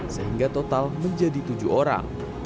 sehingga total menjadi tujuh orang